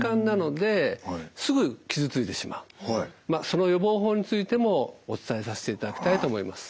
その予防法についてもお伝えさせていただきたいと思います。